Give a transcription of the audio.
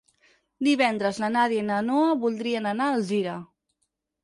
Divendres na Nàdia i na Noa voldrien anar a Alzira.